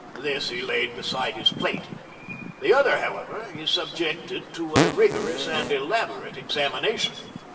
This he laid beside his plate. The other, however, he subjected to a rigorous and elaborate examination.